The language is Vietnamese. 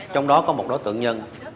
trong đó có một đối tượng nhân